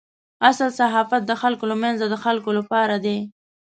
اصل صحافت د خلکو له منځه د خلکو لپاره دی.